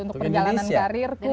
untuk perjalanan karirku